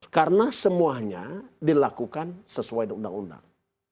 karena semuanya dilakukan sesuai dengan undang undang